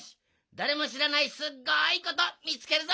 だれもしらないすっごいことみつけるぞ！